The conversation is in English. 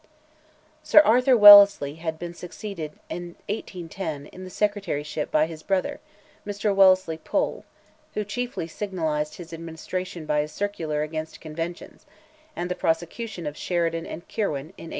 Sir Arthur Wellesley had been succeeded in 1810 in the Secretaryship by his brother, Mr. Wellesley Pole, who chiefly signalized his administration by a circular against conventions, and the prosecution of Sheridan and Kirwan, in 1811.